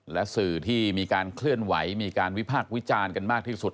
และสื่อที่มีการเคลื่อนไหวมีการวิพากษ์วิจารณ์กันมากที่สุด